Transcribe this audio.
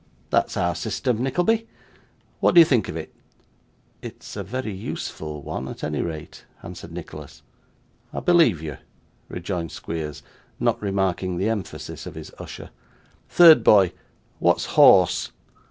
That's our system, Nickleby: what do you think of it?' 'It's very useful one, at any rate,' answered Nicholas. 'I believe you,' rejoined Squeers, not remarking the emphasis of his usher. 'Third boy, what's horse?